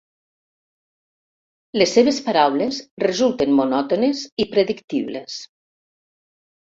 Les seves paraules resulten monòtones i predictibles.